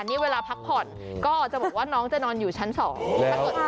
นี่เวลาพักผ่อนก็จะบอกว่าน้องจะนอนอยู่ชั้นสองถ้าเกิด